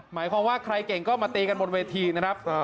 หมายความว่าใครเก่งก็มาตีกันบนเวทีนะครับ